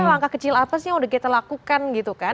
langkah kecil apa sih yang udah kita lakukan gitu kan